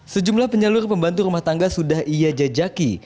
sejumlah penyalur pembantu rumah tangga sudah ia jajaki